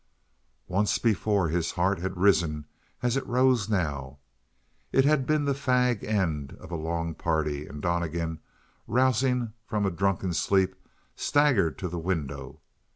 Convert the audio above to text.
Once before his heart had risen as it rose now. It had been the fag end of a long party, and Donnegan, rousing from a drunken sleep, staggered to the window.